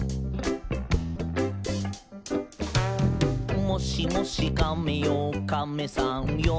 「もしもしカメよカメさんよ」